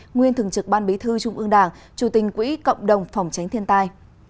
nguyên thường trực ban bí thư trung ương đảng chủ tình quỹ cộng đồng phòng tránh thiên tai